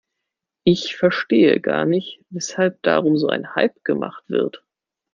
Ich verstehe gar nicht, weshalb darum so ein Hype gemacht wird.